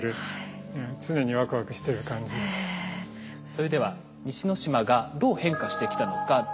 それでは西之島がどう変化してきたのか。